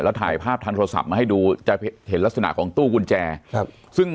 แล้วถ่ายภาพทางโทรศัพท์มาให้ดูจะเห็นลักษณะของตู้กุญแจครับซึ่ง